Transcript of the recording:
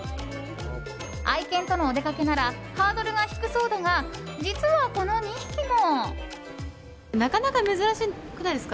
愛犬とのお出かけならハードルが低そうだが実は、この２匹も。